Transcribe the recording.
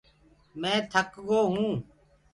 مي ٿڪ گو هون۔